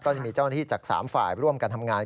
จะมีเจ้าหน้าที่จาก๓ฝ่ายร่วมกันทำงาน